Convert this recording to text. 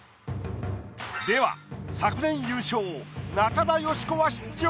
では昨年優勝中田喜子は出場？